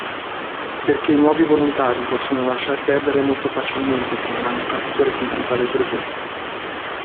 Perché i nuovi volontari possono lasciar perdere molto facilmente se non hanno capito le finalità del progetto.